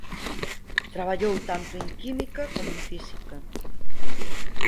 Traballou tanto en química como en física.